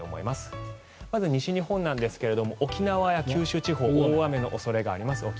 まず西日本なんですが沖縄や九州地方大雨の恐れがあります。